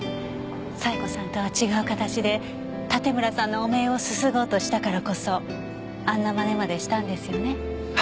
冴子さんとは違う形で盾村さんの汚名をすすごうとしたからこそあんなまねまでしたんですよね？